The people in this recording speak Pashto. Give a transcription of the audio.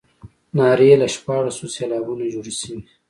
نارې له شپاړسو سېلابونو جوړې شوې.